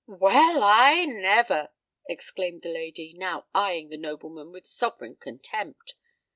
"Well—I never!" exclaimed the lady, now eyeing the nobleman with sovereign contempt.